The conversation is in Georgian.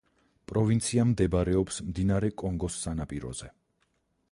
პროვინცია მდებარეობს მდინარე კონგოს სანაპიროზე.